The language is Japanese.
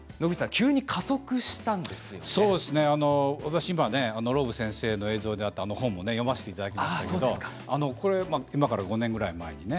私はローブ先生の映像であったあの本も読ませていただいたんですけど今から５年ぐらい前にね